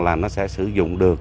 là nó sẽ sử dụng được